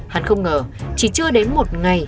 hắn không ngờ chỉ chưa đến một ngày